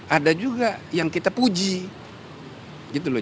ada juga yang kita puji gitu loh